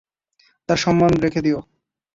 তার সম্মান রেখে দিও।